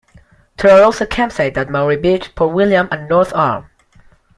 There are also campsites at Maori Beach, Port William and North Arm.